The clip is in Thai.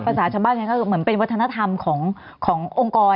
ชาวบ้านก็คือเหมือนเป็นวัฒนธรรมขององค์กร